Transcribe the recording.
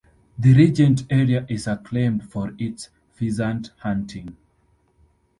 The Regent area is acclaimed for its pheasant hunting.